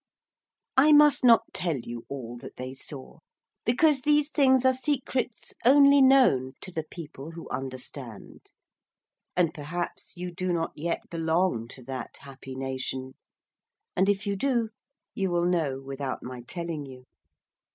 I must not tell you all that they saw because these things are secrets only known to The People who Understand, and perhaps you do not yet belong to that happy nation. And if you do, you will know without my telling you.